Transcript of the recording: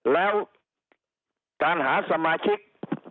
แล้วการหาสมาชิก